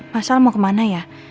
masal mau kemana ya